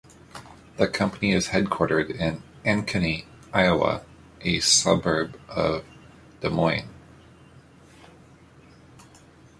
The company is headquartered in Ankeny, Iowa; a suburb of Des Moines.